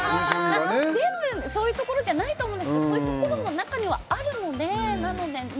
全部そういうところじゃないと思うんですけどそういうところも中にはあるので。